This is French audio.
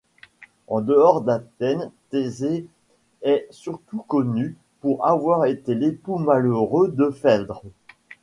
En dehors d'Athènes, Thésée est surtout connu pour avoir été l'époux malheureux de Phèdre.